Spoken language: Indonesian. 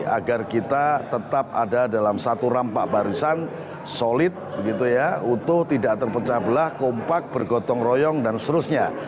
agar kita tetap ada dalam satu rampak barisan solid utuh tidak terpecah belah kompak bergotong royong dan seterusnya